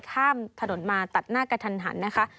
ข้ามถนนมาตัดหน้ากระทันหันนะคะ